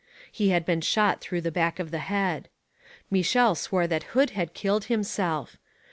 He had been shot through the back of the head. Michel swore that Hood had killed himself.